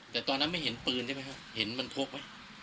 แต่ตอนนั้นไม่เห็นปืนใช่ไหมครับเห็นมันพกไหม